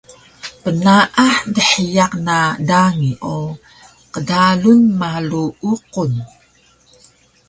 Pnaah dhiyaq na dangi o qdalun malu uqun